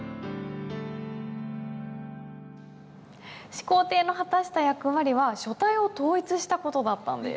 始皇帝の果たした役割は書体を統一した事だったんです。